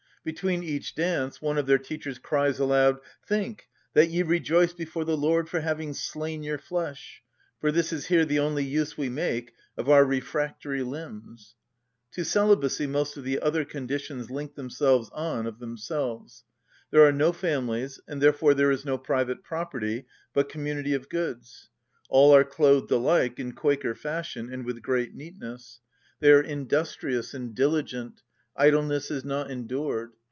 Between each dance one of their teachers cries aloud, "Think, that ye rejoice before the Lord for having slain your flesh; for this is here the only use we make of our refractory limbs." To celibacy most of the other conditions link themselves on of themselves. There are no families, and therefore there is no private property, but community of goods. All are clothed alike, in Quaker fashion, and with great neatness. They are industrious and diligent: idleness is not endured.